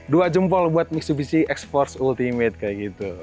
dua jempol buat mitsubishi x force ultimate kayak gitu